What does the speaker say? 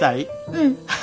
うん。